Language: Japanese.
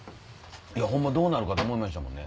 どうなるかと思いましたもんね。